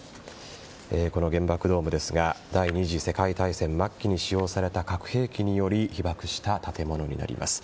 この原爆ドームですが第２次世界大戦末期に使用された核兵器により被爆した建物になります。